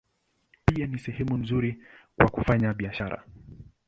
Pia ni sehemu nzuri kwa kufanya biashara.